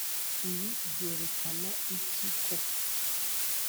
ibi byerekana iki koko?